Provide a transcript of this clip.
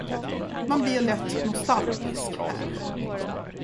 Man blir lätt nostalgisk här.